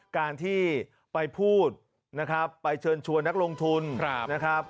การที่ไปพูดนะครับไปเชิญชวนนักลงทุนนะครับ